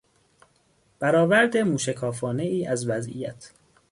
برآورد موشکافانهای از وضعیت